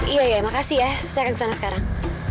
iya iya makasih ya saya akan kesana sekarang